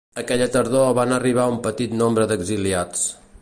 Aquella tardor van arribar un petit nombre d'exiliats.